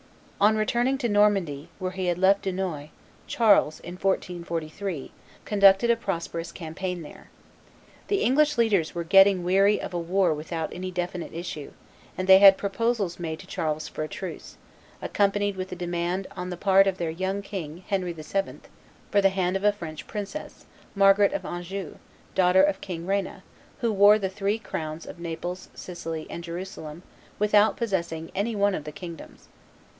On returning to Normandy, where he had left Dunois, Charles, in 1443, conducted a prosperous campaign there. The English leaders were getting weary of a war without any definite issue; and they had proposals made to Charles for a truce, accompanied with a demand on the part of their young king, Henry VI., for the hand of a French princess, Margaret of Anjou, daughter of King Rena, who wore the three crowns of Naples, Sicily, and Jerusalem, without possessing any one of the kingdoms.